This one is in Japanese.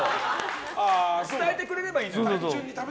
伝えてくれればいいね。